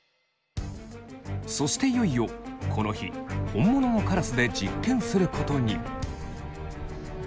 そしていよいよこの日本物のカラスで実験することに。